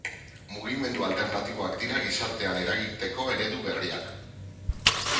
Mugimendu alternatiboak dira gizartean eragiteko eredu berriak.